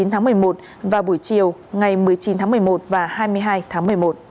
một mươi tháng một mươi một vào buổi chiều ngày một mươi chín tháng một mươi một và hai mươi hai tháng một mươi một